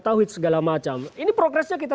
tawhid segala macam ini progresnya kita